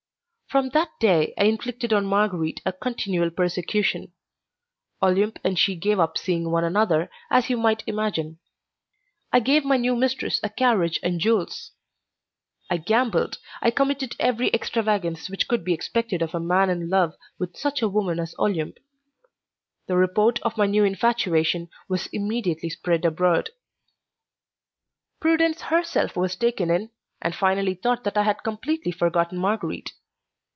From that day I inflicted on Marguerite a continual persecution. Olympe and she gave up seeing one another, as you might imagine. I gave my new mistress a carriage and jewels. I gambled, I committed every extravagance which could be expected of a man in love with such a woman as Olympe. The report of my new infatuation was immediately spread abroad. Prudence herself was taken in, and finally thought that I had completely forgotten Marguerite.